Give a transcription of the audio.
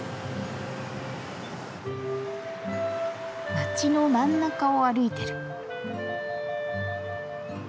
街の真ん中を歩いてる。